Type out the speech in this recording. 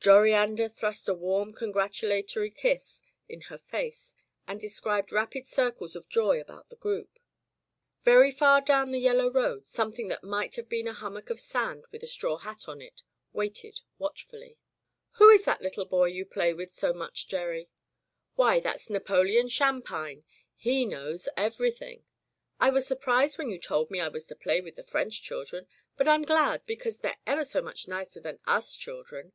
Jori ander thrust a warm congratulatory kiss in her face and described rapid circles of joy about the group. Very far down the yellow road, something that might have been a hummock of sand with a straw hat on it, waited watchfully. Digitized by LjOOQ IC Interventions •"Who is that little boy you play with so muchy Gerry? "Why that's Napoleon Shampine. He knows everything. I was surprised when you told me I was to play with the French chil dren, but Fm glad, because they're ever so much nicer than us children.